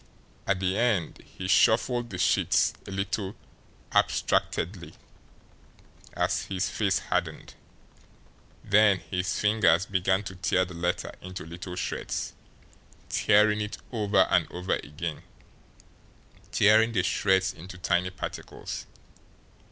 At the end he shuffled the sheets a little abstractedly, as his face hardened. Then his fingers began to tear the letter into little shreds, tearing it over and over again, tearing the shreds into tiny particles.